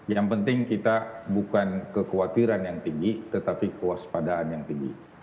yang penting kita bukan kekhawatiran yang tinggi tetapi kewaspadaan yang tinggi